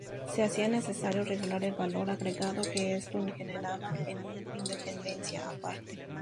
Se hacía necesario regular el valor agregado que esto generaba en una dependencia aparte.